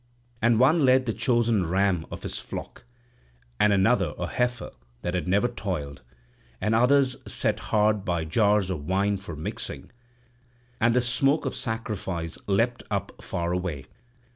And one led the chosen ram of his flock, and another a heifer that had never toiled; and others set hard by jars of wine for mixing; and the smoke of sacrifice leapt up far away.